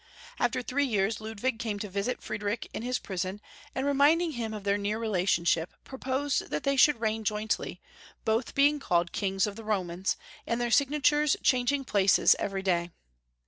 After three years, Ludwig came to visit Friedrich in his piison, and reminding him of their near relationship, proposed that they should reign jointly, both being called Kings of the Romans, and their signatures changing places every day.